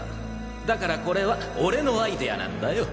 だからこれは俺のアイデアなんだよ！